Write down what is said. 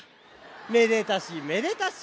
めでたしめでたし。